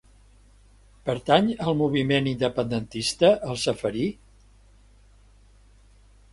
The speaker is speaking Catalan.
Pertany al moviment independentista el Ceferi?